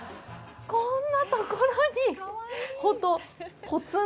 こんなところに。